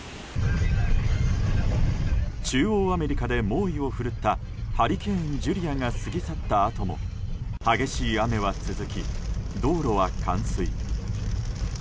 中央アメリカで猛威を振るったハリケーン、ジュリアが過ぎ去ったあとも激しい雨は続き道路は冠水。